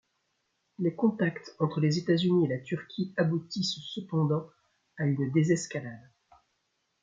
Les contacts entre les États-Unis et la Turquie aboutissent cependant à une désescalade.